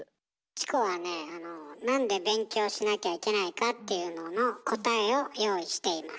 チコはねなんで勉強しなきゃいけないかっていうのの答えを用意しています。